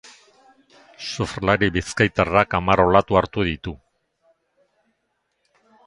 Surflari bizkaitarrak hamar olatu hartu ditu.